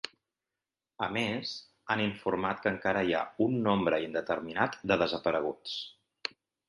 A més, han informat que encara hi ha ‘un nombre indeterminat de desapareguts’.